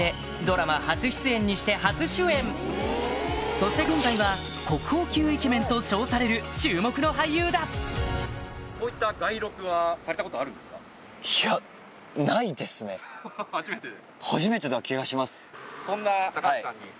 そして現在は国宝級イケメンと称される注目の俳優だ初めてで？